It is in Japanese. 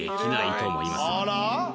あら？